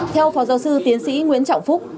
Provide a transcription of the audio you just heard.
theo phó giáo sư tiến sĩ nguyễn trọng phúc